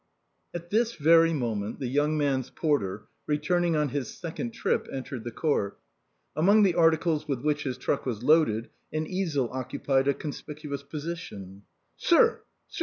At this very moment the young man's porter, returning on his second trip, entered the court. Among the articles with which his truck was loaded, an easel occupied a con spicuous position. " Sir ! sir